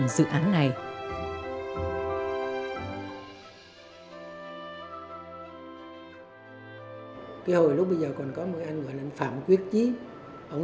và bộ năng lượng